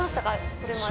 これまで。